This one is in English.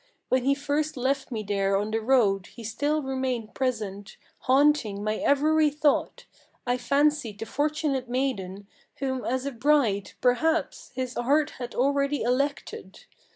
When he first left me there on the road, he still remained present, Haunting my every thought; I fancied the fortunate maiden Whom as a bride, perhaps, his heart had already elected.